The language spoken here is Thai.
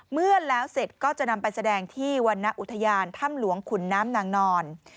เมื่อแล้วเสร็จก็จะนำไปแสดงที่วรรณอุทยานถ้ำหลวงขุนน้ำนางนอน